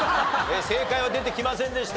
正解は出てきませんでした。